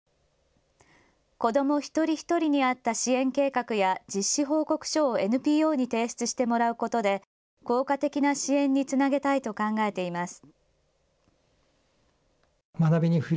子ども一人一人に合った支援計画や実施報告書をＮＰＯに提出してもらうことで効果的な支援につなげたいと考えています。